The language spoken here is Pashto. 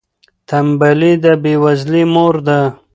تنبلي د بې وزلۍ مور ده.